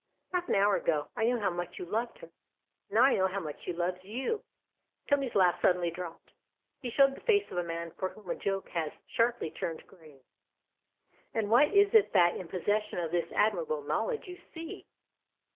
Half an hour ago I knew how much you loved her. Now I know how much she loves you." IQ8 THE OTHER HOUSE Tony's laugh suddenly dropped ; he showed the face of a man for whom a joke has sharply turned grave. " And what is it that, in possession of this admirable knowledge, you see